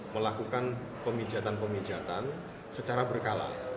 melakukan pemijatan pemijatan secara berkala